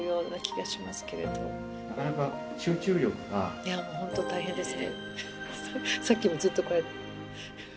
いやもう本当大変ですね。